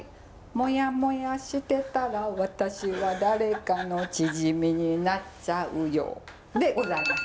「もやもやしてたら私は誰かのチヂミになっちゃうよ」でございます。